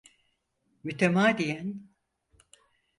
Mütemadiyen!